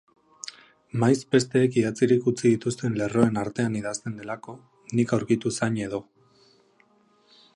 Maiz besteek idatzirik utzi dituzten lerroen artean izaten delako, nik aurkitu zain edo